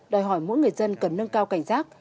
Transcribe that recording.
đòi hỏi mỗi người dân cần nâng cao cảnh giác